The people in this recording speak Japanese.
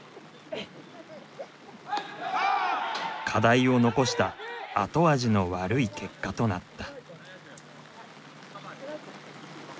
課題を残した後味の悪い結果となった。